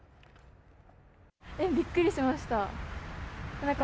びっくりしました。